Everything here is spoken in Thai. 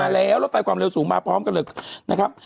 แล้วรถไฟความเร็วสูงมาพร้อมกันเลยนะครับ